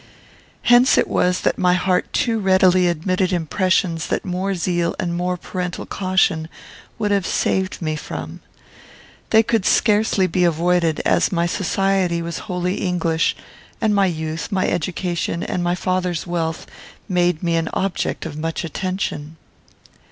"Hence it was that my heart too readily admitted impressions that more zeal and more parental caution would have saved me from. They could scarcely be avoided, as my society was wholly English, and my youth, my education, and my father's wealth made me an object of much attention.